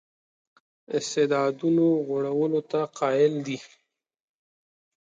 استعدادونو غوړولو ته قایل دی.